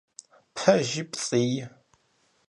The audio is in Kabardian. Пэжи, пцӏыи…